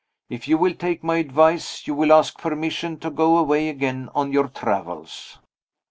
If you will take my advice, you will ask permission to go away again on your travels."